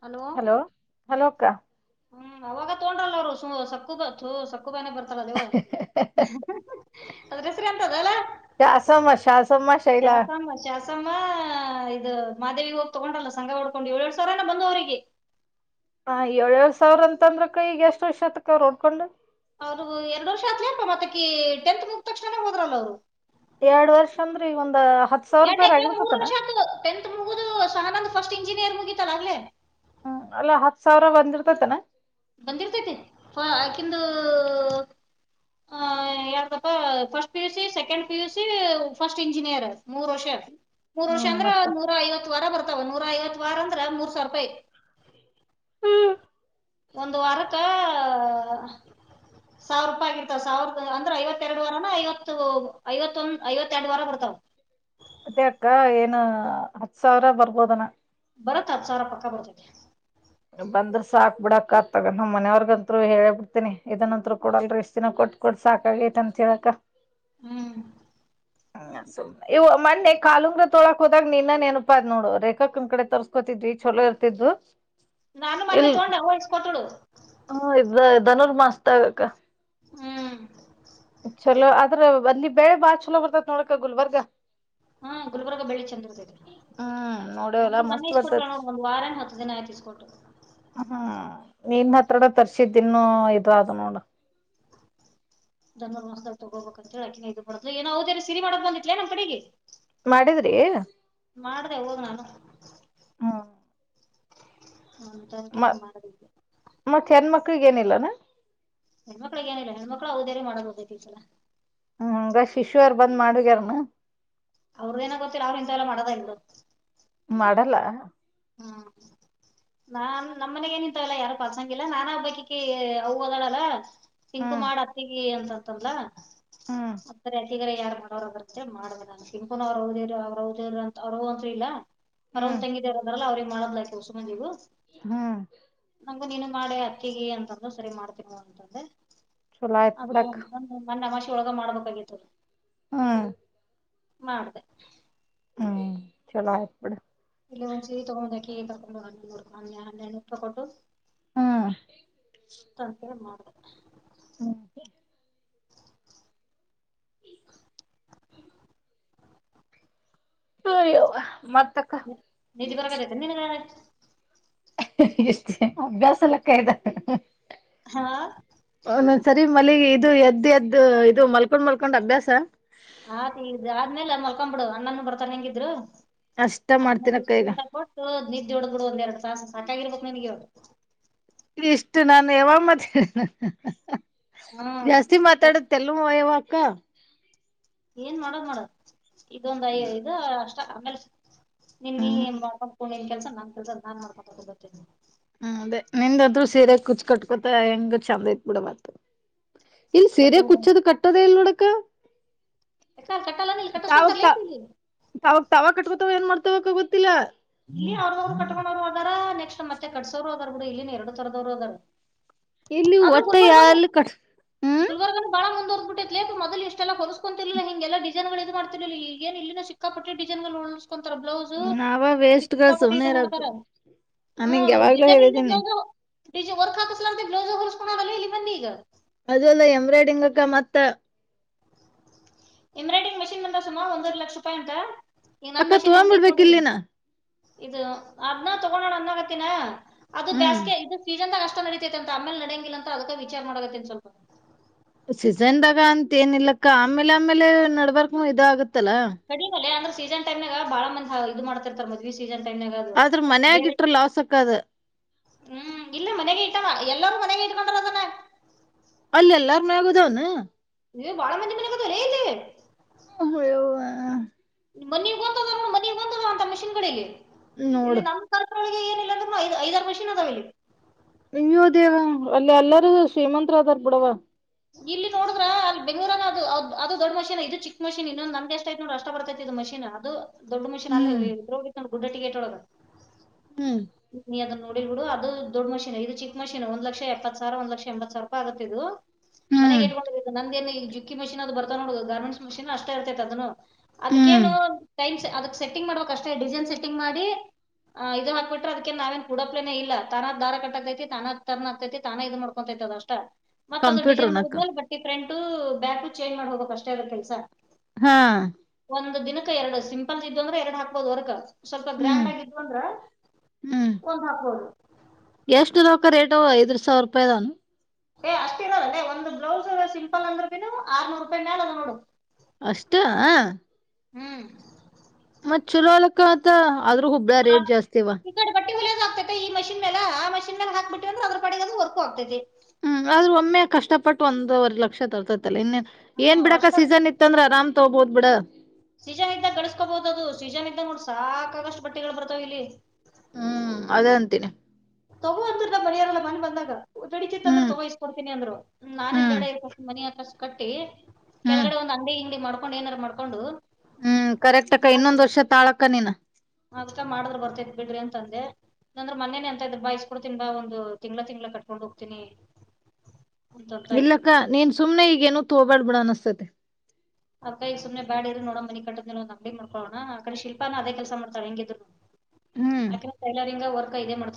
Hello ಹಲೋಕ್ಕ ಹ್ಮ್ ಅವಾಗ ತೊಂಡ್ರಲ್ಲರು ಸಕ್ಕು ಬತ್ತುು ಸು ತುಬನ ಬರ್ತಲ್ಲ ದವು ಅದ್ರ ಹೆಸರು ಅಂತದ ಅಲ್ಲ ಶಾಸಮ್ಮ ಶಾಸಮ್ಮ ಶೈಲಾ ಇದು ಮಾದೇವ ಹೋಗ್ ತಗೊಂಡ್ರಲ್ಲ ಸಂಘ ಹೊಡ್ಕೊಂಡು ಏಳ್ಏಳ್ಡ್ ಸಾವಿರನ ಬಂದ ಅವರಿಗೆ ಹ ಏಳ್ಏಳು ಸಾವಿರ ಅಂತ ಅಂದ್ರಕ್ಕ ಈಗ ಎಷ್ಟ್ ವರ್ಷತ್ತಕ್ಕ ರೋಡ್ಕೊಂಡ್ ಅವರು ಎರಡು ವರ್ಷ ಆತ್ಲಪ್ಪ ಮತ್ತಕಿ ಟೆಂತ್ ಮುಂದ್ ತಕ್ಷಣನೇ ಹೋದ್ರಲ್ಲ ಅವ್ರು ಎರಡ್ ವರ್ಷ ಅಂದ್ರ ಈಗ ಒಂದ್ ಹತ್ ಸಾವಿರ ರೂಪಾಯಿ ಎರಡು ಮೂರು ಆಗಿರ್ತತನ ವರ್ಷ ಆತ ಟೆಂತ್ ಮುಗುದು ಸಾನಂದ ಸ್ಟ್ ಇಂಜಿನಿಯರ್ ಮುಗಿತ ಹ್ಮ್ ಅಲ್ಲಾ ಹತ್ ಸಾವಿರ ಬಂದಿರ್ತೇತನ ಬಂದಿರ್ತೈತಿ ಹಾ ಯಾಕಿಂದು ಹ ಯಾರ್ದಪ್ಪ first P UC second P UC first engineer ಮೂರು ವರ್ಷ ಮೂರ್ ವರ್ಷ ಹ್ಮ್ ಅಂದ್ರ ಮತ್ತ ನೂರಾ ಐವತ್ ವಾರ ಬರ್ತವ ನೂರಾ ಐವತ್ತು ವಾರ ಅಂದ್ರ ಮೂರ್ ಸಾವರ ರೂಪಾಯಿ ಒಂದು ವರಕ್ಕ- ಸಾವಿರ ರೂಪಾಯಿ ಆಗಿರ್ತಾವ ಸಾವಿರ ಅಂದ್ರೆ ಐವತ್ತರಡು ವಾರಾನ ಐವತ್ತು ಐವ ಐವತ್ತೆರಡು ವಾರ ಬರ್ತಾವ [unintelligible] ಮತ್ತೆ ಅಕ್ಕ ಏನು ಹತ್ ಸಾವಿರ ಬರ್ಬೋದನ ಬರತ್ತ ಅತ್ ಸಾರ ಪಕ್ಕ ಬರ್ತದೆ ಬಂದ್ರ ಸಾಕ್ ಬಿಡಕ್ ಆತಗ ನಮ್ಮ ಮನೆಯವರ್ಗಅಂತೂ ಹೇಳಳ್ ಬಿಡ್ತಿನಿ ಇದಂತೂ ಕಡಲ್ ಇಷ್ಟತಿನ ಕೊಟ್ ಕೊಡ್ ಸಾಕಾಗೈತ ಅಂತ ಹೇಳಕ ಹ್ಮ್ ಹ್ಮ ಸು ಇವು ಮೊನ್ನೆ ಕಾಲುಂಗ್ರ ತೊಳಾಕ್ ಹೋದಾಗ ನಿನ್ನನ್ ನನಪ ಅ ನೋಡು ರೇಖಕ್ ನಿ ಕಡೆ ತರ್ಸ್ಕೋತವಿ ಚಲೋ ಇರ್ತಿದ್ದು ನಾನು ಮೊನ್ನೆ ತಗೊಂಡ ವಯಸ್ ಕೊಟ್ಡು ಹ್ಮ ಇದನೂರ್ ಮಾಸ್ತ್ ಆಗಕ್ಕ ಹ್ಮ್ ಚಲೋ ಆದ್ರ ಅಲ್ಲಿ ಬೆಳೆ ಬಾ ಚಲೋ ಬರ್ತತ್ ನೋಡಕ ಗುಲ್ಬರ್ಗ [inaudible] ಹ್ಮ ಗುಲ್ಬುರ್ಗ ಬೆಳ್ಳಿ ಚಂದ್ರದ ಹ್ಮ್ ನೋಡವಲ್ಲ ನಂಗು ಮೊನ್ನೇ ಮಸ್ತ್ ಇಸ್ ಕೊಟಿಣ ಬರ್ತತಿ ಒಂದ್ ವಾರಾನ ಹತ್ತು ದಿನ ಆಯ್ತು ಇಸ್ಕೊಟ್ಟರು ಹ್ಮ್ ನೀನ್ ಹತ್ರಡೆ ತರ್ಸಿದ್ದಿನ್ನುೂ ಇದ್ ಅದು ನೋಡ ಸದ ತಗೋಬೇಕ ಅಂತ ಹೇಳ ಅಕಿನ ಇದು ಬಡೋ ಏವುದೇ ಸ ಸಿರಿ ಮಾಡ ಬಂದಿಲ ನಮ್ಮ ಕಡೆಗೆ ಮಾಡಿದ್ರಿ ಮಾಡ್ರೆ ಹೋಗ ನಾನು ಹ್ಮ್ ಹ್ಮ ತರಕರೆ ಮಾಡಿದ್ದೆ ಗ ಏನಿಲ್ಲ ನ ಹೆಣ್ಮಕ್ಳ ಏನಿಲ್ಲ ಹೆಣ್ಮ ಮಕ್ಳು ಅವವುದೇರಿ ಮಾಡೋದ ಹೋಗ್ತಿ ಸಲ್ಲ ಹ್ಮ ಬ ಶಿಶ್ಯ ಯಾರ್ ಬಂದ್ ಮಾಡಗ್ಯಾರನ ಅವ್ರದಏನ ಗೊತ್ತಿಲ್ಲ ಅವ್ರ ಇಂತೆಲ್ಲ ಮಾಡೋದ ಇ ಮಾಡಲ್ಲ ನಾನ್ ನಮ್ಮ ಮನೆಗ ಏನಿಂತಲ್ಲಾ ಯಾರು ಪಸಂಗ ಇಲ್ಲಾ ನಾನ ಹಬ್ಬಕಿಕ್ಕ ಅವ ಓದಾಡಲ್ಲ ಸಿಂಕು ಹ್ಮ್ ಮಾಡ ಅತ್ತಿಗೆ ಅಂತತ್ತಲ್ಲ ಹ್ಮ್ ಗಾರ ಯಾರಾರ್ ಮಾಡೋರು ಬರ್ತ ಮಾಡ್ಬ ಅಂತ ತಿಕುನ ಅವರು ಹದರು ಅವ್ರರುದರು ಅಂತ ಅವ್ರು ಅಂತರು ಇಲ್ಲ ಹ್ಮ್ ಪರವ್ ತಂಗಿದರದಲ್ಲ ಅವ್ರಿಗೆ ಮಾಡ್ಲಯತ ಸುಮನಜೀವು ಹಾ ನಂಗು ನೀನು ಮಾಡೆ ಅತ್ತಿಗೆ ಅಂತಂದ್ರ ಸರಿ ಮಾಡ್ತೀನ ಅಂತಂದೆ ಚಲೋ ಆಯ್ತ್ ಹ ಬಿಡಕ್ ಮನ್ನಮಾಷಿ ಒಳಗ ಮಾಡ್ಬೇಕಾಗಿತ್ತು ಹ್ಮ ಮಾಡ್ದ ಹ್ಮ್ ಚಲ ಇಲ್ಲಿ ಒಂದ್ ಸ ತೊಗೊಂಡ್ ಹಾಕಿ ತೊಂಡ ಹ ಹೆ ತಕೊಂಡು ಹ್ಮ್ ತಕ ಮಾಡ ಹ ಹ ಅಯ್ಯೋ ಮತ್ತ ನಿಜಿ ಬರಗದಐತೆ ನಿನ್ ಎಷ್ಟೇ ಅಭ್ಯಾಸ ಲೆಕ್ಕ ಇದದೆ ಹಾ ಒಂದೊಂದ್ಸರಿ ಮಲ್ಲಿಗೆ ಇದು ಎದ್ ಎದ್ದ ಇದು ಮಲ್ಕೊಂಡ್ ಮಲ್ಕೊಂಡ್ ಅಭ್ಯಾಸ ಆತ ಆದ್ಮೇಲೆ ಮಲ್ಕೊ್ ಬಿಡು ಅಣ್ಣನ ಬರ್ತಾನ ಹೆಂಗಿದ್ರು ಅಷ್ಟ ಹಾಯ್ ಅನ್ನನು ಬರ್ತಾನೆ ಹೆಂಗಿದ್ರು ಅ ಮಾಡ್ತೀನಕ್ಕ ಎಷ್ಟು ಈಗ ಊಟ ಕೊಟ್ಟು ನಿದ್ದೆ ಹುಡ್ಗೂಡು ಒಂದ್ೆರಡು ಸಾಾಸ [unintelligible] ನಿನಗೆ ಅವರು ಸಾಕಾಗಿರಬೇಕು ನಿನಗೆ ನನ್ಗೆ ಅವರು ಇಷ್ಟು ನಾನು ಯವಮ್ಮತ ಹ್ಮ್ ಜಾಸ್ತಿ ಮಾತಾಡತ್ತೆಲ್ವ ಯವ ಅಕ್ಕ ಏನ್ ಮಾಡದ ಮಾಡದು ಇದೊಂದ್ ಐಐದು ಅಷ್ಟ ಆಮೇಲೆ ಹ್ಮ್ ನಿಮ ಮಾಡ್ಕೊಂಡ ನಿನ್ ಕೆಲ್ಸ ನನ್ ಕೆಲ್ಸ ನಾನ್ ಮಾಡ್ಕೊ ಗೊತ್ತೇ ನೀ ಹ ಅದೇ ನಿಂದಾದ್ರು ಸೀರೆ ಕುಚ್ ಕಟ್ಕೊತ ಹೆಂಗ ಚಂದ ಐತ್ ಬಿಡ ಬತು ಇಲ್ಲಿ ಬಟ್ಟೆ ಸೀರಯ ಕುಚ್ಚದು ಕಟ್ಟದೇ ಇಲ್ಲೋಡಕ್ಕ ಯಾಕ ಅಲ್ ಕಟ್ಟಲ್ಲನ ಇಲ್ಲಿ ತಾವಾಗ ಕಟ್ಟಸ್ಕೊಂತಾರಲೇ ತ ತಾವಾಗ ತಾವ ಕಟ್ಕೊತಾವ ಏನ್ ಮಾಡ್ತವಕ್ ಗೊತ್ತಿಲ್ಲ ಇಲ್ಲಿ ಅವ್ರದವರು ಕಕೋರುದ ನೆಕ್ಸ್ಟ್ ಮತ್ತೆ ಕಟ್ಸೋ್ರು ಅದಾರ ಕೂಡ ಇಲ್ಲಿ ಎರಡು ತರದವ್ರು ಅದಾರ ಇಲ್ಲಿ ಆದ್ರೂ ಒಟ್ಟ ಗುಲ್ಬರ್ಗನು ಯಾರಲ್ಲಿ ಕಟ್ ಹ್ಮ್ ಗುಲ್ಬರ್ಗನ ಬಾಳ ಮುಂದ ಬಿಿತ್ಲ ಮದಲ್ ಇಷ್ಟ ಎಲ್ಲೋಸ್ಕೊಂತರ್ಲಿಲ್ಲ ಹಿಗೆಲ್ಲ ಡಿಸೈನ್ ಇದು ಮಾಡ್ತಿರ್ಿಲ್ಲ ಈ ಏ ಇ ಸಿಕ್ಕಪಟ್ಟ ಿಸೈ ಗಳು ಕೊಂಂತರ ಬ್ಲೌಸು ನಾವ ವೇಸ್ಟ್ ಗಳು ಪಪಟಿ ಸುಮ್ನೆ ಇದು ಇರಕ್ ಮಾಡ್ತಾರ ನಾನ್ ನಿಂಗ್ ಹದು ಯಾವಾಗ್ಲೂ ಬಜಾರ್ ಹೇಳಿದ್ದೀನಿ ಇಲ್ಲಿೋದು ನಿಜ ವರ್ ಕಾ ಬ್ಲೌಸ್ ಹೊಸ್ಕೋಲ್ಲ ಇಲ್ಲಿ ಬನ್ನಿ ಈಗ ಅದು ಅಲ್ಲ ಎಂಬ್ರಾಯ್ಡ್ರಂಗ್ ಅಕ್ಕ ಮತ್ತ ಎಂಬ್ರಾಯಿ್ರಂಗ್ ಮಿನ್ ಬಂದ ಸುಮಾರ ಒಂದವರೆ ಲಕ್ಷ ರೂಾಯಿ ಅಂತ ಈಗ ನನ್ ಅಕ್ಕ ಹೆಂಗ್ ಐತ್ ತೋವಂಬಡ್ಬೇಕಕ್ ನೋಡ್ ಇದು ಇಲ್ಲಿನಾ ಇದು ಅದನ ತಗೊಂಡೋ ಅಂದಗತ್ತಿನ ಅದು ಹ್ಮ್ ಬೇಸ್ಗೆ ಇದು ಫೀಜ ಅಂತ ನಷ್ಟ ನಡೀತೈತೆ ಅಂತ ಆಮೇಲೆ ನಡಂಗಿಲ್ಲ ಅ ಅದಕ್ಕ ವಿಚಾರ ಮಾಡೋೇನ್ ಸ್ವಲ್ಪ ಸೀಿಸನ್ದಾಗ ಅಂತ ಏನ್ ಇಿಲ್ಲಕ್ಕ ಆಮೇಲೆ ಆಮೇಲೆ ನಡ್ಬಾರಕ್ ಇದ ಆಗತ್ತ ಕಡಿಮಲ್ಲ ಅಂದ್ರೆ ಸೀಸನ್ ಟೈಮ್ಾಗ ಬಾಳ ಮಂದ ಇದು ಮಾಡ್ತ ಇರ್ತಾರೆ ಮದ್ವಿ ಸೀ ಆದ್ರ ಮನ್ ಆಗಟ್ರ ಲಾಸ್ಕ್ಕದ ಹ್ಮ್ ಇಲ್ಲ ಮನೆಗೆ ಇಟ್ಟ ಎಲ್ಲರೂ ಮನೆಗೆ ಇಟ್ಕೊಂಡಾರದನ ಅಲ್ಲ ಎಲ್ಲಾರ ಮೇ ಆಗದವ್ನು ಇ ಬಳ ಮಂಜಿ ಬ ಕಲ್ಲಿದೆ ಅಯ್ಯವ್ವ ಮನಂತದ ಮನಂತದಂತ ಮಷೀನ್ ಕಡೆಗೆ ಹ್ಮ್ ನೋಡ ಳಿಗೆ ಏನಿಲ್ಲ ಅಂದ್ರ ಐ ಐದಾರು ಯಂತ್ರ ಅದಾವ ಇಲ್ಲಿ ಅಯ್ಯೋ ದೇವ ಅಲ್ಲಿ ಎಲ್ಲಾರೂ ಶ್ರೀಮಂತರಾದಾರ್ ಬಿಡವ ಇಲ್ಲಿ ನೋಡ್ರ ಅ ಬೆಂಗಳೂರು ಅದು ಅದು ದೊಡ್ ಮಷನ್ ಇದು ಚಿಕ್ ಮಷೀನ್ ಇನ್ನೊ ನಮ್ಗೆಷ್ಟ ಆಯ ನೋ ಅಷ್ಟ ಬರ್ತೈತಿ ಇ ಮಷಿನ್ ಅದು ದೊಡ್ ಮಷೀನ್ ಅಲ್ಲಿ ಹ್ಮ್ ದೋೋಗ ಗುಡ್ಡಟ್ಟಿಗೆೇಟ್ೊಳಗೆ ಹ್ಮ್ ಇನಯ ತನ್ನು ದಡ್ ಬಿಡು ಅದು ದೊಡ್ ಮೀನ್ ಇದು ಚಕ್ಕ ಮೀನ್ ಒಂದ್ ಲಕ್ಷ ಎಪ್ಪತ್ ಸಾವಿರ ಒಂದ ಲಕ್ಷ ಎಂಬತ್ ಸಾವರ ರೂಪಿ ಆಗತ್ತ ಇದು ಮನೆಗ್ ಹ್ಮ್ ಇಕೊಂಡೋಗ ನಂದೇಏ ಈುಕ್ಕಿ ಮಿಷನ್ ಅದು ಬರ್ತಾವ ನೋಡ ಗಾರ್ಮೆಂಟ್ಸ್ ಮಷೀನ್ ಅಷ್ಟ ಇರ್ತೈತೆ ಅದನ್ನು ಹ್ಮ್ ಅದಕ್ಕೇನು ಟೈಮ್ ಅದಕ್ ಸೆಟ್ಟಿಂಗ್ ಮಾಡ್ಬೇಕಕ್ ಅಷ್ಟೇ ಡಿಸೈನ್ ಸೆಟ್ಟಿಂಗ್ ಮಾಡಿ ಆ ಇದು ಹಾಬ ಬಿಟ್ರೆದಕ ನಾವೇನ್ ಕುಡಪ್ಲೇ ಇಲ್ಲ ತಾನ ದಾರ ಕಟ್ಟ ಆತೈತಿ ತಾನ ತನ್ ಆಗ್ತೈತಿ ತಾನ ಇದ್ ಮಾಡ್ಕೊತೈತಿ ತದಷ್ಟ ಮತ್ತತ್ ಅದು ಡಿಸೈನ್ ಕಂಪ್ಯೂಟರ್ನಕ್ಕ ಮಾಡಿದ್ಮೇಲೆ ಬಟ್ಟಿ ಫ್ರಂಟ್ ಬ್ಯಾಕು ಚೇಂಜ್ ಮಾಡ್ ಹೋಗಬೇಕಕ್ ಅಷ್ಟೇ ಅದ ಕೆಲಸ ಹಾ ಒಂದು ದಿನಕ್ಕೆ ಎರಡು ಸಿಂಪಲ್ ಇದ್ದ ಅಂದ್ರೆ ಎರಡ್ ಹಾಕ್ಬೋದುವರ್ಗ ಸ್ವಲ್ಪ ಹ್ಮ್ ಗ್ರ್ಯಾಂಡ್ ಆಗಿದ್ವು ಅಂದ್ರ ಹ್ಮ್ ಒಂದ್ ಹಾಪ್ ಹೋದು ಎಷ್ಟು ರಕ ರೇಟ ಐದ್ ಸಾವಿರ ರೂಪಾಯದನುು ಏ್ ಅಷ್ಟ ಇ ಅದ ಅದೇ ಒಂದು್ ಬ್ಲೌಸ್ ಸಿಂಪಲ್ ಅಂದ್ರೆ ಬಿನು ಆರ್ನೂರು ರೂಪಾಯ ಮಾಲ ಅದ ನೋಡು ಅಷ್ಟ ಹ್ಮ್ ಮತ್ತ್ ಛಲೋಲಕ್ಕ ಆತ ಆದ್ರೂ ಹುಬ್ಳಿಯಗ ರೇಟ್ ಜಾಸ್ತಿವ ಒೇದ ಆಗ್ತೈತಿ ಮಷನ್ ಮ್ಯಾಲ ಆ ಮಷನ್ನ ಮ್ಯಾಲ ಹಾಕ್ಬಿಟ್ಟಿ ಅಂದ್ರ ಅದ್ರ್ ಪಾಡಿಗದು ವರ್ಕ ಆಗ್ತೈತಿ ಹ್ಮ್ ಆದ್ರೂ ಒಮ್ಮೆ ಕಷ್ಟಪಟ್ಟು ಒಂದವರೆ ಲಕ್ಷ ತರ್ತತಿ ಅಲಾ ಏನ್ ಹ್ಮ್ ಬಿಡಾಕ ಅಷ್ಟ ಸೀಸನ್ ಇತ್ತಂದ್ರ ಆರಾಮ್ ತಗೋಬೋದ ಬಿಡ ಸೀಜನ್ ಇದ್ದಾಗ ಗಳಿಸಕೋಬಹುದು ಅದು ಸೀಜನ್ ಇದ್ದಾಗ ನೋಡ ಸಾಕಾಗಷ್ಟು ಬಟ್ಟಿಗಳು ಬರ್ತಾವ ಇಲ್ಲಿ ಹ್ಮ್ ಅದೇ ಅಂತೀನಿ ರ್ತ [unintelligible] ಮರಿ ಹಾರಲ್ಲ ಮನ್ನಿ ಬಂದಾಗ ದುಡಿತಿತ್ ಅಂದ್ರ ಹ್ಮ್ ತಗೋ ಇಸ್ಕೊಡ್ತೀನಿ ಅಂದ್ರ್ ನಾನೇ ಹ್ಮ್ ಬೇಡ ಇರ್ಕಷ್ಟು ಮನಿ ಆಕಷ್ಟು ಕಟ್ಟಿ ಹ್ಮ್ ಕೆಳಗಡೆ ಒಂದು ಅಂಗಡಿ ಗಿಂಗಡಿ ಮಾಡ್ಕೊಂಡು ಏನಾರ ಮಾಡ್ಕೊಂಡು ಹ್ಮ್ ಕರೆಕ್ಟ್ ಅಕ್ಕ ಇನ್ನೊಂದ್ ಮಾಡಿದ್ರು ವರ್ಷ ತಾಳಕ್ಕ ನೀನ ಅದಕ್ಕ ಮಾಡಿದ್ರ ಬರ್ತೈತಿ ಬಿಡ್ರಿ ಅಂತ ಅಂದೆ ನಂದ್ರೆ ಮ ಅಂದ್ರ ಬಾ ಇಸ್ಕೊಡ್ತೀನ್ ಬಾ ಒಂದು ತಿಂಗ್ಳ ತಿಂಗ್ಳ ಕಟ್ಕೊಂಡ್ ಹೋಗ್ತೀನಿ ಅಂತ ಅಂತ ಇದ್ರು ಇಲ್ಲಕ್ಕ ನೀನ್ ಸುಮ್ನೆ ಈಗೇನು ತೋ ಬ್ಯಾಡ ಬಿಡ ಅನಿಸ್ತೇತಿ ಅದಕಗೆ ಸುಮ್ನೆ ಬ್ಯಾಡ ಇರಿ ನೋಡಣ ಮನಿ ಕಟ್ಟತ್ಗೆ ಒಂದು ಅಂಗಡಿ ಮಾಡಕೊಳ್ಳೋಣ ಆ ಕಡೆ ಶಿಲ್ಪಾನು ಅದೇ ಕೆಲಸ ಮಾಡ್ತಳ ಹೆಂಗಿದ್ರುನು ಹ್ಮ್ ಆಕಿನೂ ಟೈಲರಿಂಗ್ ವರ್ಕ್ ಇದೆ ಮಾಡ್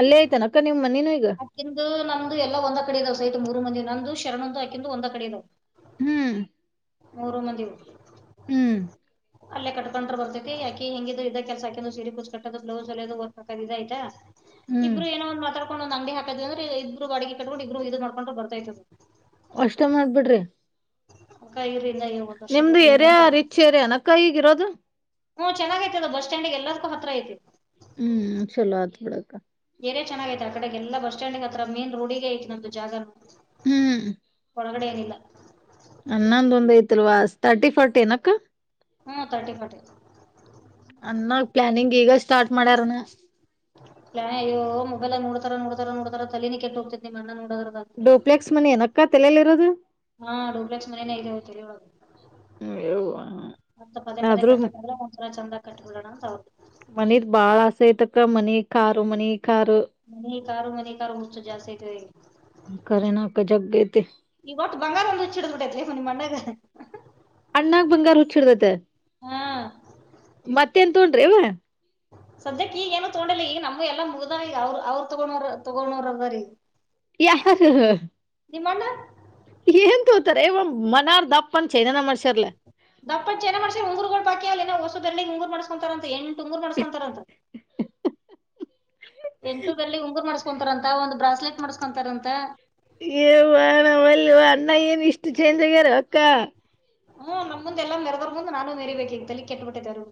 ಅಲ್ಲೇ ಐತೇನಕ್ಕ ನಿಮ್ಮ್ ಮನೀನೂ ಅಕಿಂದು ನಮ್ದು ಎಲ್ಲ ಒಂದ ಕಡೆ ಇದಾವ ಸೈಟ್ ಮೂರು ಮಂದಿವು ನಮ್ದು ಶರಣಂದು ಅಕಿಂದು ಒಂದ ಕಡೆ ಇದಾವ ಹ್ಮ್ ಮೂರು ಮಂದಿವು ಹ್ಮ್ ಅಲ್ಲ ಕಕೊಂಡ್ರ ಬರ್ತೈತಿ ಅಕಿ ಹೆಂಗಿದ್ರು ಇದ ಕೆಲ್ಸ ಅಕಿನೂ ಸೀರಿ ಕುಚ್ ಕಟ್ಟೋದು ಬ್ಲೌಸ್ ಹೊಲಿಯುದು ವರ್ಕ್ ಹಾಕುದು ಇದ ಐತಾ ಹ್ಮ್ ಇಬ್ರು ಏನ ಒಂದ್ ಮಾತಾಡ್ಕೊಂಡು ಒಂದ್ ಅಂಗಡಿ ಹಾಕದ್ವಿ ಅಂದ್ರ ಇಬ್ರು ಬಾಡಗಿ ಕಟಗೊಂಡು ಇಬ್ಬರು ಇದು ಮಾಡ್ಕೊಂಡ್ರ ಬರ್ತಯ್ತಿ ಅಷ್ಟ ಮಾಡ್ಬಿಡ್ರಿ ಅದಕ್ಕ ಇರ್ರಿ ಇನ್ನ ಒಂದ ವರ್ಷ ನಿಮ್ದು ಹೋಗ್ಲಿ ಇರ ಎರಿಯ ರಿಚ್ ಎರಿಯ ಏನಕ್ಕ ಈಗಿರೋದು ಹ್ಮ್ ಚೆನ್ನಾಗ ಐತದ ಬಸ್ಸ್ಟ್ಯಾಂಡಿಗೆ ಎಲ್ಲದಕ್ಕೂ ಹತ್ರ ಐತಿ ಹ್ಮ್ ಚಲೋ ಆತ ಬಿಡಕ್ಕ ಏರಿಯಾ ಚೆನ್ನಾಗೈತೆ ಆಕಡೆಗೆಲ್ಲ ಬಸ್ ಸ್ಟ್ಯಾಂಡ್ಗೆ ಹತ್ರ ಮೇನ್ ರೋಡಿಗೆ ಐತ ನಮ್ದ್ ಜಾಗ ಹ್ಮ್ ಒಳಗಡೆ ಏನಿಲ್ಲ ಅಣ್ಣಂದು ಒಂದ್ ಐತಲ್ವಾ ತರ್ಟಿ ಫೋರ್ಟಿ ಏನಕ್ಕ ಹ್ಮ ಥರ್ಟಿ ಫೋರ್ಟಿ ಅನ್ನೋ ಪ್ಲಾನಿಂಗ್ ಈಗ ಸ್ಟಾರ್ಟ್ ಮಾಡ್ಯಾರನಾ ಪ್ಲಾನ್ ಅಯೋ ಮೊಬೈಲ ನೋಡ್ತಾರ ನೋಡ್ತಾರ ನೋಡ್ತಾರ ತಲಿನ ಕೆಟ್ಟ ಹೋಗ್ತೇತಿ ನಿಮ್ಮ ಅಣ್ಣ ನೋಡದ್ರದಾಗ ಡೂಪ್ಲೆಕ್ಸ್ ಮನೆ ಏನಕ್ಕ ತಲಲಿ ಇರೋದು ಹಾ ಡೂಪ್ಲೆಕ್ಸ್ ಮನೆನೆೇ ಇದೆ ತಲಿ ಒಳಗ ಯವ್ವಾ ಮತ್ತ ಪದೇ ಪದೇ ಆದ್ರೂ ಕಟ್ಟಕ ಆಗಲ್ಲ ಒಂದ್ ಸರಿ ಚಂದಾಗ ಕಟ್ಟಬಿಡೋಣ ಅಂತ ಅವ್ರು ಮನೀದ ಬಾಳ ಆಸೆ ಐತಕ್ಕ ಮನಿ ಕಾರು ಮನಿ ಕಾರ ಮನಿ ಕಾರು ಮನಿ ಕಾರು ಹುಚ್ಚ ಜಾಸ್ತಿ ಐತವ್ರಿಗೆ ಖರೇನಕ್ಕ ಜಗೈತಿ ಬಂಗಾರದೊಂದು ಹುಚ್ ಹಿಡದ್ ಬಿಟ್ಟಾತ್ಲೆ ನಿಮ್ಮ್ ಅಣ್ಣಗ ಅಣ್ಣಾಗ ಬಂಗಾರ ಹುಚ್ಚಿಡದೈತ ಹಾಂ ಮತ್ತೆನ್ ತೊಂಡ್ರಿವ ಸದ್ಯಕ್ಕೆ ಈಗ ಏನು ತಗೊಂಡಿಲ್ಲ ಈಗ ನಮವ್ ಎಲ್ಲಾ ಮುಗದಾವ ಅವರು ಅವ್ರ ತೊಗೋ ತೊಗೋಣರದರ ಈಗ ಯಾರ್ ನಿಮ್ಮ ಅಣ್ಣ ಏನ್ ವ ಮನಾರ್ ದಪ್ಪನ್ ಚೈನಾನಾ ಮಾಡ್ಸಯರಲ ದಪ್ಪನ ಚೈನಾ ಮಾಡಿಸಿದ್ರ ಉಂಗರುಗಳು ಬಾಕಿ ಆವಾ ಅಲ್ಲ ಇನ ಓಸು ದಂಡಿಗೆ ಉಂಗುರು ಮಾಡ್ಸ್ಕೊಂತಾರ ಅಂತ ಎಣ ಎಂಟು ಉಂಗುರ್ ಮಾಡ್ಸಸ್ಕೊಂತಾರಂತ ಎಂಟು ಬೆರಳಿಗೆ ಉಂಗುರ್ ಮಾಡಸ್ಕೊಂತಾರಂತ ಒಂದು ಬ್ರಾಸ್ಲೆಟ್ ಮಾಡ್ಸ್ಕೊಂತಾರಂತ ಏ ಎವ್ವಾ ನಾ ಒಲ್ಲವ ಅನ್ನ ಏನು ಇಷ್ಟ ಚೇಂಜ್ ಆಗ್ಯಾರವ ಅಕ್ಕ ಹ್ಮಞ ನಮ ಮುಂದೆ ಎಲ್ಲಾ ಮೆರೆದರ್ ಮುಂದೆ ನಾನೂ ಮೆರಿ ಬಬೇಕು ಈಗ ತಲ್ಲಿ ಕೆಟ್ಟಬಿಟ್ಟಿದರು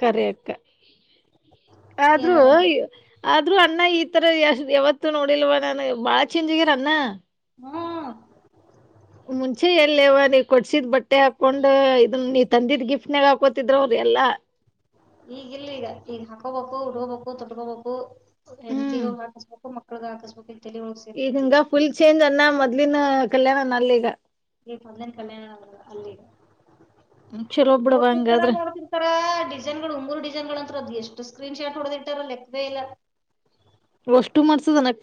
ಕರಿ ಅಕ್ಕ ಆದ್ರೂ ಯಾರ್ ಆದ್ರೂ ಅಣ್ಣ ಈ ತರ ಎಷ್ಟ ಯಾವತ್ತು ನೋಡಿಲ್ವ ನನ್ ಬಾಳ ಚೇಂ್ ಆಗ್ಯರ ಅನ್ನ ಹ್ಮ್ ಮುಂಚೆ ಎಲ್ಲ ಇವ ನೀ ಕೊಡ್ಸಿದ್ ಬಟ್ಟೆ ಹಾಕೊಂಡ್ ಇದನ್ ನೀ ತಂದಿದ್ ಗಿಫ್ಟ್ ನಾಗ ಹಾಕೋತಿದ್ರ ಅವ್ರೀ ಎಲ್ಲ ಈಗ ಇಲ್ಲ ಈಗ ಈಗ ಹಾಕೋಬೇಕು ಉಡ್ಕೋಬೇಕು ತೊಟ್ಕೋಬೇಕು ಎಂಡಿಗ ಹಾಕಸ್ಬೇಕು ಮಕ್ಳಗ ಹಕಸ್ಬೇಕು ಈಗಿಂಗ ಫುಲ್ ಚೇಂಜ್ ಅನ್ನ ಮೊದ್ಿನ ಕಲ್ಯಾಣ ಅನ್ನ ಅಲ್ಲಿ ಈಗ ಈಂದಿನ ಕಲ್ಯಾಣ ಅಲ್ಲಿ ಚಲೋ ಬಿಡವ್ವ ನೋಡ್ತಿರ್ತಾರ ಹಂಗಾದ್ರ ನೋಡ್ತಿರ್ತಾರ ಡಿಸೈನ್ ಗಳು ಉಂಗುರು ಡಿಸೈನ್ ಗಳು ಅಂತರ ಅದು್ ಎಷ್ಟು ಸ್ಕ್ರೀನ್ ಶಾಟ್ ಹೊಡದಿ ಇಟ್ಟಾರ ಲೆಕ್ಕದೇ ಇಲ್ಲ ಕಷ್ಟು ಮಾಡ್ಸ ನನಕ್ಕೆ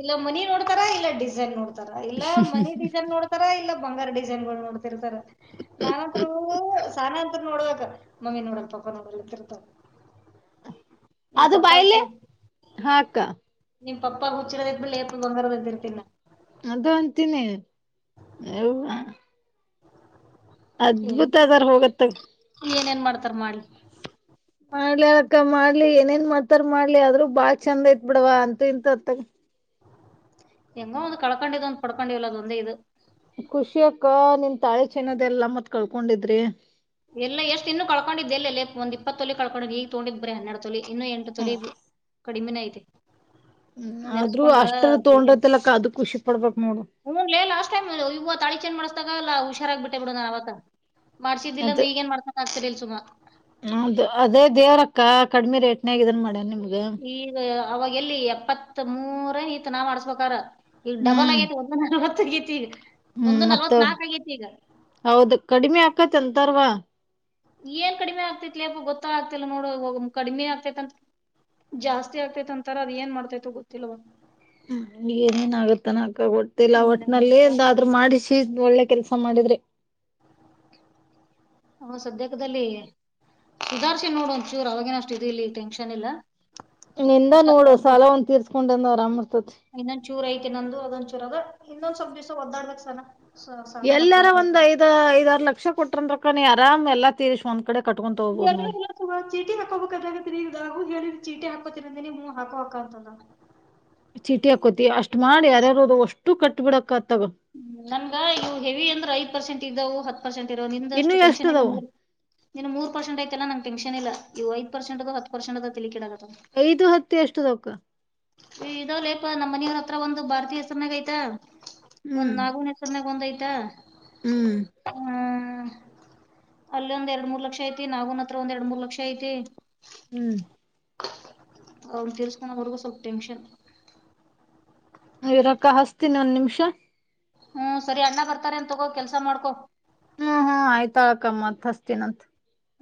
ಇಲ್ಲ ಮನಿ ನೋಡ್ತಾರಾ ಇಲ್ಲ ಡಿಸೈನ್ ನೋಡ್ತಾರ ಇಲ್ಲ ಮನಿ ಡಿಸೈನ್ ನೋಡ್ತಾರ ಇಲ್ಲ ಬಂಗಾರ ಡಿಸೈನ್ ನೋಡ್ತಿರ್ತಾರೆ ನಾನತ್ರರು ಸ ನೋಡುವಾಗ ಮಮ್ಮಿ ನೋಡ ಪಾಪ ನೋಡಲ್ಲ ಇತ್ತರ್ತ ಅದು ಬಾಯಲೆ ಹಾಕ್ಕ ನಿಮ ಪಪ್ಪ ಹುಚ್ಚಿೋದ ಇದ್ಮಳಿ ಬಂಗರದ್ದ ಇರ್ತಿಲ್ಲ ಅದು ಅಂತೀನಿ ಹ ಅದ್ಭುತ ಅದಾರ ಹೋಗತ್ತ ಮಾಡತರ್ ಮಾಡಿ ಮಾಡ್ಲಿ ಅಕ್ಕ ಮಾಡ್ಲಿ ಏನೇನ್ ಮಾತಾರ್ ಮಾಡ್ಲಿ ಆದ್ೂ ಬಾಳ ಚಂದ ಯತ್ ಬಿಡವ ಅಂತ ಇಂತ ಅತ್ತಗ ಎಂಗೋ ಒಂದು ಕಡಕೊಂಡದ ಒಂದು ಪಡಕೊಂಡೀಲ್ಲ ಅದು ಒಂದೇ ಇದು ಖುಷಿಯಕ್ಕ ನಿನ್ ತಾಳೆ ಚೆನ್ನದ ಎಲ್ಲ ಮತ್ ಕಳ್ಕೊಂಡಿದ್ರಿ ಇಪ್ಪತ್ತೊಲೆ ಕಳ್ಕೊಂಡ ಈಗ ತಗೊಂಡಿದ್ ಬ್ರ ಹನ್ನೆರಡು ತೊಲಿ ಇನ್ನು ಎಟು ತೊಲಿ ಕಡಿಮೆ ಐತೆ ಹ್ಮ್ ಆದ್ರೂ ನೆನೆಸ್ಕೊಂಡ್ರ ಅಷ್ಟರ ತಗೊಂಡತಲಕ್ಕ ಅದು ಖುಷಿ ಪಡ್ಬೇಕ್ ನೋಡು ಮೂನ್ಲೇ ಲಾಸ್ ಇವು ತಾಿ ಚೆಜ್ ಮಾಡಸಾಗಲ್ಲ ಹುಷಾರಾಗ ಬಿಟ್ಟೆ ಬಿಡ ನ ಅವ ಿದ್ದಿಲ್ಲ ಅ್ರೆ ಈಗಏನ್ ಮಾಡ್ತನ್ ಆಗ್ತತಿರಿಲ್ಲ ಸುಾ ಹದು ಅದೇ ದೇವ್ರಕ್ಕ ಕಡಿ್ಮಿ ರೇಟ್ನಯಾಗ ಇದನ್ ಮಾಡ್ಯ ನಿಮ್ದ ಈಗ ಅವಾಗ ಎಲ್ಲಿ ಎಪ್ಪತ್ ಮೂೂರ ಇತ್ ನಾವ್ ಮಾಡಸ್ಬೇಕಾರ ಇಲ್ಲಿ ಡಬಲ್ ಹ್ಮ್ ಆಗೈತಿ ಒಂದವತ್ತು ತಗೈತಿ ಹ್ಮ್ ಮತ್ತ ಹೌದ ಕಡಿಮೆ ಆಾಕತ್ಂತಾರವಾ ಏನ್ ಕಡಿಮೆ ಆಗ್ತತಿತ್ಲಪ ಗೊತ್ತಾ ಆಗ್ತಿಲ್ಲ ನೋಡ ಹೋಗ ಕಡಿಮೆ ಆಗ್ತೈತ್ಂತ ಜಾಸ್ತಿ ಆಗ್ತೈತ್ ಅಂತಾರ ಅದ್ ಏನ್ ಮಾಡ್ತೈತೋ ಗೊತ್ತಿಲ್ಲವ ಹ್ಮ ಏನೇಏನ್ ಆಗತ್ತನ ಅಕ್ಕ ಗೊತಿಲ್ಲ ಒಟ್ಟನಲ್ಲಿಾದ್ರರು ಮಾಡಿಸಿ ಒಳ್ಳೆ ಕೆಲ್ಸ ಸ ಮಾಡಿದ್ರಿ ಹ ಸದ್ಯಕದಲ್ಲಿ ಸುಧಾರ್ಶನ್ ನೋಡಂಚೂರ್ ಅವಾಗಿೇನ ಅಷ್ಟ ಇದು ಇಲ್ಲಿ ಟೆನ್ಷನ್ ಇಲ್ಲ ಂದ ಅಷ್ಟ ನೋಡು ಸಾಲ ಒಂದ ತೀರ್ಸ್ಕೊಂಡಂದು ಆರಾಮರ್ತತಿ ಇನ್ನೊ್ ಚೂರ್ ಐತಿ ನಂದು ಅದೊಂದ್ ಚೂರ್ದ ಇನ್ನೊಂದ್ವಪ್ ದಿವ್ಸ ಒದ್ದಾಡ್ಬೇಕಕ್ ಸನ ಸಹನ ಹೊಂಟ್ರ್ ಎಲ್ಲಾರ ನೋಡ್ ಒಂದ್ ಅದು. ಐದ್ ಐದಾರ ಲಕ್ಷ ಕೊಟ್ರಂದ್ರಕ್ಕ ನೀ ಆರಾಮ್ ಎಲ್ಲ ತೀರಿಸಿ ಒಂದ್ ಕಡೆ ಕಟ್ಕೊಂತ ಹೋಗ್ಬೋದು ನೋಡು ಎಲ್ಲು ಚೀಟಿ ಹಾಕೋಬೇಕ್ರ ತಿಗ ಹೇಳಿದ ಚೀಟಿ ಹಾಕೋತಿರಂದೇ ನೀ್ವ ಹಾಕೋಕ ಅಂತಂದ ಚೀಟಿ ಹಾಕೋತಿ ಅಷ್ಟ್ ಮಾಡಿ ಯಾರ್ಯಾರೋದು ಅಷ್ಟು ಕಟ್ ಬಿಡಕ ಹ್ಮ ನನ್ಗ ಇವು ಹೆವಿ ಅಂದ್ರ ಐ್ ಪರ್ಸೆಂಟ್ ಇದ್ದವು ಹತ್ತು ಪರ್ಸೆಂಟ್ ಇರೋ ಇನ್ನು ನಿಮ್ದಷ್ಟು ಎಷ್ಟ ಟೆನ್ಷನ್ ಇಲ್ಲೆ ಅದಾವ ನೀನ್ ಮೂ ಪರ್ಸೆಟ್ ಐಲ್ಲ ನಂ ಟನ್ ಇವುಐ ಪರ್ಸಂಟ ಹತ್ತು ಪಸೆಟದ ತಿಲಿಿಡ ಐದು ಹತ್ತಿ ಎಷ್ಟು ತಕ್ಕ ಇದಾವಲ್ಲೇಪ ನಮ್ಮ ಮನಿಯವ್ರ ಹತ್ರ ಒಂದು ಭಾರತೀಯ ಹೆಸರನಾಗ ಆಯ್ತಾ ಒಂದ್ ಹ್ಮ್ ನಾಗನ ಹೆಸರ್ನಾಗ ಒಂದ್ಯ್ತಾ ಹ್ಮ್ ಹ್ಮ ಅಲ್ಲಿ ಒಂದ್ ಎರಡ್ ಮೂರ್ ಲಕ್ಷ ಐತಿ ನಾವುನ್ ಹತ್ರ ಒಂದ್ ಎರಡ್ ಮೂರ್ ಲಕ್ಷ ಐತಿ ಹ್ಮ್ ಅವ್ರು ತರ್ಸ್ಕೊಂಡ ಹೊರೆಗೂ ಸ್ವಲ್ಪ ಟೆನ್ಷನ್ ಇರಕ್ಕ ಹಸ್ತೀನಿ ಒಂದ್ ನಿಮಿಷ ಹ್ಮ್ ಸರಿ ಅಣ್ಣ ಬರ್ತಾರ ಅನ್ ತಗೋ ಕೆಲ್ಸ ಮಾಡ್ಕೊ ಹ್ಮ್ ಹ್ಮ್ ಆಯ್ತಾ ಅಳಕ್ಕಮ್ಮತ್ ಹಸ್ತನಂತ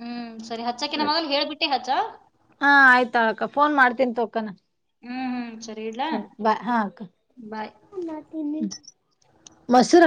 ಹ್ಮ್ ಸರಿ ಹಚ್ಚಾಕ ನ ಮಗಲ್ಲಿ ಹೇಳ್ಬಿಟ್ಟೆ ಹಚ್ಚ ಹಾ ಆಯ್ತಾಳಕ್ಕ ಫೋನ್ ಮಾಡ್ತೀನಿ ತೋಕನ ಹ್ಮ್ ಹ್ಮ್ ಸರಿ ಬಾಯ್ ಹಾ ಬಾಯ್. ಮಸೂರ